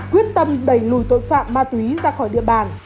quyết tâm đẩy lùi tội phạm ma túy ra khỏi địa bàn